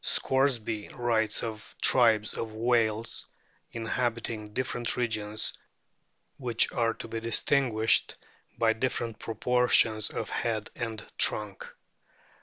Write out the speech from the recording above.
Scoresby writes of " tribes " of whales inhabiting different regions which are to be distinguished by different proportions of head and trunk.